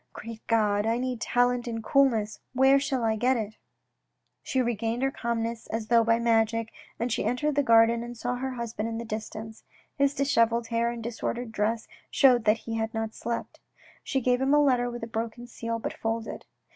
Great God ! I need talent and coolness, where shall I get it ?" She regained her calmness as though by magic, and she entered the garden and saw her husband in the distance. His dishevelled hair and disordered dress showed that he had not slept. She gave him a letter with a broken seal but folded.